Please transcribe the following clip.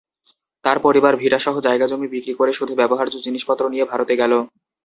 তার পরিবার ভিটাসহ জায়গাজমি বিক্রি করে শুধু ব্যবহার্য জিনিসপত্র নিয়ে ভারতে গেল।